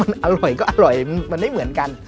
มันอร่อยก็อร่อยมันไม่เหมือนกัน